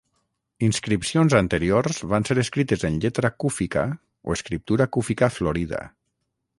Inscripcions anteriors van ser escrites en lletra cúfica o escriptura cúfica florida.